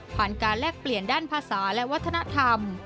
การแลกเปลี่ยนด้านภาษาและวัฒนธรรม